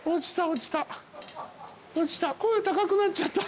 落ちた。